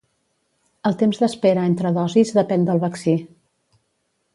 El temps d’espera entre dosis depèn del vaccí.